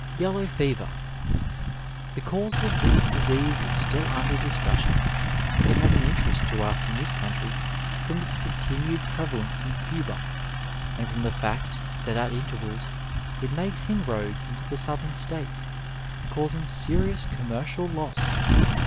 Yellow Fei>er, — ^The cause of this disease is still under discussion. It has an interest to us in this country from its continued prevalence in Cuba, and from the fact that at intervals it makes inroads into the Southern States, causing serious commercial loss.